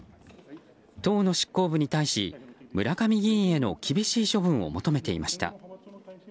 党の執行部に対し村上議員への厳しい処分を求めていました。